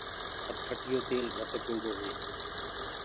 موٽر سيڪل تيل گهٽ پيٚندو هي۔